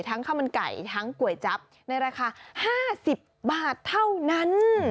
ข้าวมันไก่ทั้งก๋วยจั๊บในราคา๕๐บาทเท่านั้น